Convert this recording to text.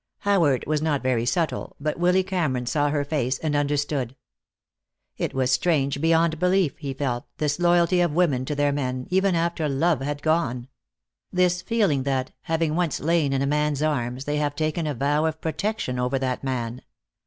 Howard was not very subtle, but Willy Cameron saw her face and understood. It was strange beyond belief, he felt, this loyalty of women to their men, even after love had gone; this feeling that, having once lain in a man's arms, they have taken a vow of protection over that man.